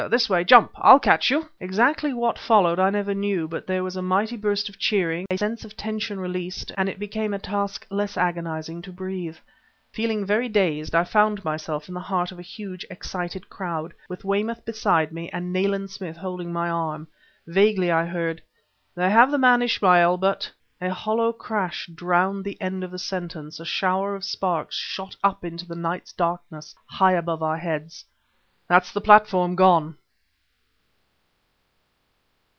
this way! Jump! I'll catch you!" Exactly what followed I never knew; but there was a mighty burst of cheering, a sense of tension released, and it became a task less agonizing to breathe. Feeling very dazed, I found myself in the heart of a huge, excited crowd, with Weymouth beside me, and Nayland Smith holding my arm. Vaguely, I heard; "They have the man Ismail, but ..." A hollow crash drowned the end of the sentence. A shower of sparks shot up into the night's darkness high above our heads. "That's the platform gone!"